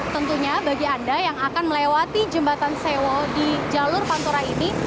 tentunya bagi anda yang akan melewati jembatan sewo di jalur pantura ini